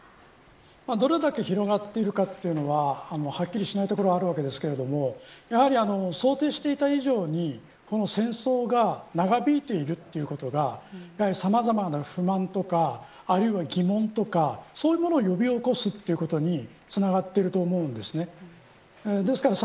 どれだけ広がっているかというのははっきりしないところがあるわけですがやはり、想定していた以上にこの戦争が長引いているということがさまざまな不満とかあるいは疑問とかそういうものを呼び起こすということにつながっていると思うんですね。